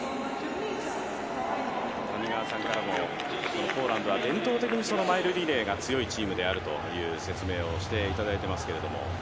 谷川さんからもポーランドは伝統的にマイルリレーが強いチームであるという説明をしていただいています。